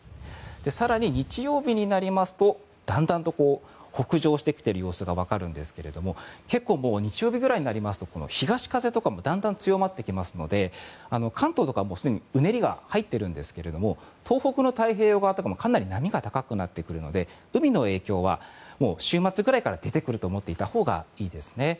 更に日曜日になりますとだんだんと北上してきている様子が分かるんですけれども結構、日曜日ぐらいになりますと東風とかもだんだん強まってきますので関東とかはすでにうねりが入ってるんですけれども東北の太平洋側ってかなり波が高くなってくるので海への影響は、週末くらいから出てくると思っていたほうがいいですね。